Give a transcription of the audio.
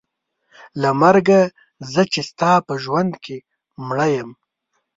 له مرګه زه چې ستا په ژوند کې مړه یم.